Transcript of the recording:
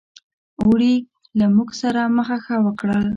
اوړي له موږ سره مخه ښه وکړل.